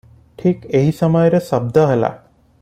ଠିକ୍ ଏହି ସମୟରେ ଶଦ୍ଦ ହେଲା